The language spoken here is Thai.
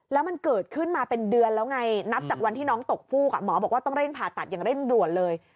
แล้วมันเกิดขึ้นมาเป็นเดือนแล้วไงนับจากวันที่น้องตกฟูกหมอบอกว่าต้องเร่งผ่าตัดอย่างเร่งด่วนเลย